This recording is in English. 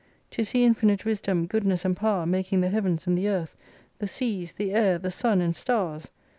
To see infinite wisdom goodness and power making the heavens and the earth, the seas, the air, the sun and stars